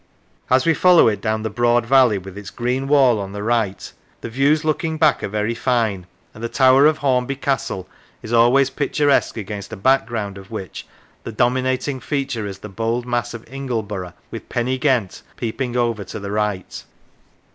As we follow it down the broad valley, with its green wall on the right, the views looking back are very fine, and the tower of Hornby Castle is always picturesque against a back ground of which the dominating feature is the bold mass of Ingleborough, with Pen y Ghent peeping over to the right.